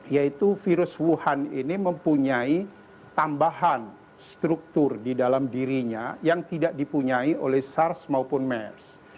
yaitu virus wuhan ini mempunyai tambahan struktur di dalam dirinya yang tidak dipunyai oleh sars maupun mers